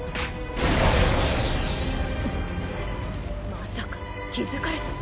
まさか気付かれた？